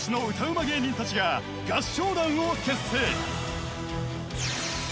ま芸人たちが合唱団を結成！］